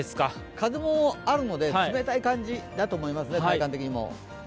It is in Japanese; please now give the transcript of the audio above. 風もあるので冷たい感じだと思いますね、体感的にも。